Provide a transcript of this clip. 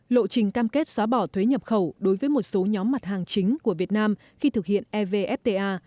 lộ trình cam kết xóa bỏ thuế nhập khẩu đối với một số nhóm mặt hàng chính của việt nam khi thực hiện evfta